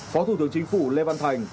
phó thủ tướng chính phủ lê văn thành